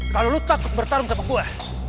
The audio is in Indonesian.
kalau lo takut bertarung sama gue